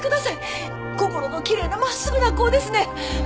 心のきれいな真っすぐな子ですねん！